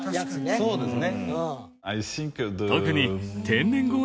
そうですね。